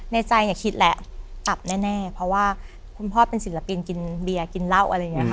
ในใจคิดแหละอับแน่เพราะว่าคุณพ่อเป็นศิลปินกินเบียร์กินเหล้าอะไรอย่างนี้ค่ะ